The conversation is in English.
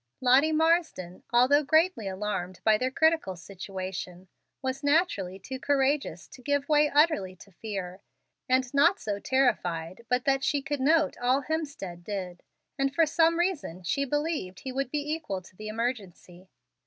Lottie Marsden, although greatly alarmed by their critical situation, was naturally too courageous to give way utterly to fear, and not so terrified but that she could note all Hemstead did; and for some reason she believed he would be equal to the emergency.